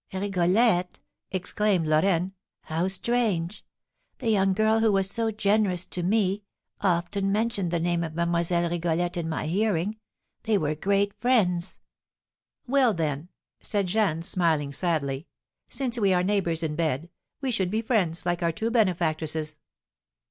"Rigolette!" exclaimed Lorraine; "how strange! The young girl who was so generous to me often mentioned the name of Mlle. Rigolette in my hearing; they were great friends." "Well, then," said Jeanne, smiling sadly, "since we are neighbours in bed, we should be friends like our two benefactresses."